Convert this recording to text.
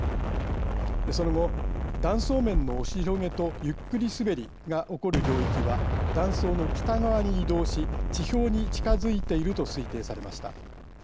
その後、断層面の押し広げとゆっくり滑りが起こる領域は断層の北側に移動し地表に近づいていると推定されました。